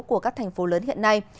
của các thành phố lớn hiện nay